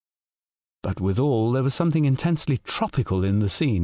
" But withal there was something intensely tropical in the scene.